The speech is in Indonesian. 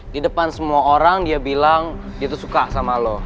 di depan semua orang dia bilang dia tuh suka sama lo